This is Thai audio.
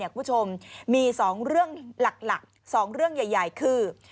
คุณผู้ชมมี๒เรื่องหลัก๒เรื่องใหญ่คือ